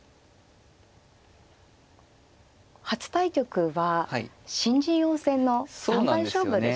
初対局は新人王戦の三番勝負でしたね。